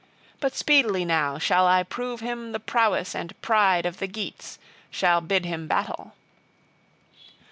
But speedily now shall I prove him the prowess and pride of the Geats, shall bid him battle.